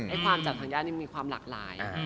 ความจากทางญาตินี่มีความหลากหลาย